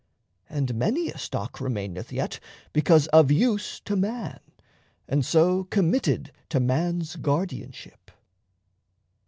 And many a stock Remaineth yet, because of use to man, And so committed to man's guardianship.